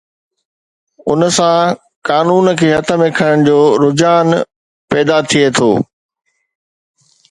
ان سان قانون کي هٿ ۾ کڻڻ جو رجحان پيدا ٿئي ٿو.